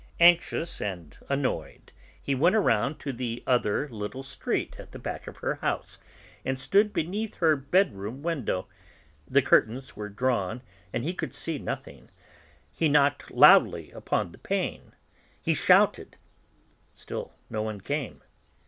Anxious and annoyed, he went round to the other little street, at the back of her house, and stood beneath her bedroom window; the curtains were drawn and he could see nothing; he knocked loudly upon the pane, he shouted; still no one came.